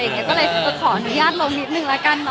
ก็เลยขออนุญาตลงนิดหนึ่งนะครับ